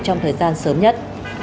trong thời gian sớm nhất